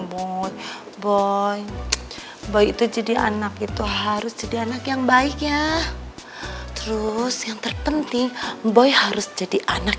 mut boy itu jadi anak itu harus jadi anak yang baik ya terus yang terpenting mboy harus jadi anak